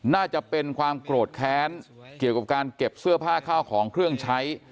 น่าจะเป็นความโกรธแค้นเกี่ยวกับการเก็บเสื้อผ้าข้าวของเครื่องใช้